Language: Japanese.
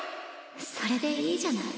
それでいいじゃない